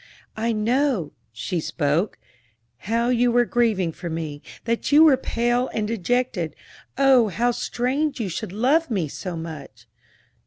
"I know," she spoke, "how you were grieving for me, that you were pale and dejected. Oh, how strange you should love me so much!"